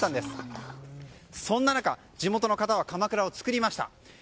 そんな中、地元の方はかまくらを作りました。